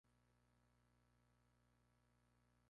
Los seres humanos se transformaron en peces.